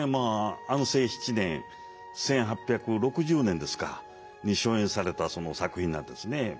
安政７年１８６０年ですかに初演された作品なんですね。